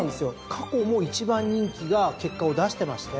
過去も１番人気が結果を出してまして。